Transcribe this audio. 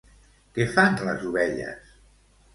Què fan les ovelles?